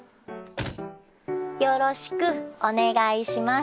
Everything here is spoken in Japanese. よろしくお願いします。